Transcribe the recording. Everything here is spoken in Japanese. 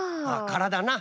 からだな。